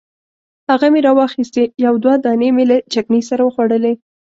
هغه مې راواخیستې یو دوه دانې مې له چکني سره وخوړلې.